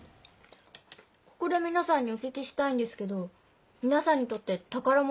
ここで皆さんにお聞きしたいんですけど皆さんにとって宝物って何ですか？